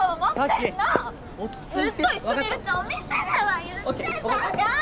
ずっと一緒にいるってお店では言ってたじゃん。